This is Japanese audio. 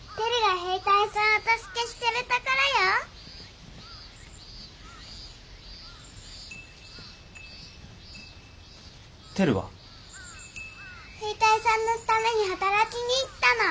兵隊さんのために働きに行ったの。